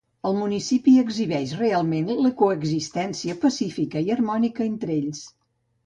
El municipi exhibeix realment la coexistència pacífica i harmònica entre ells.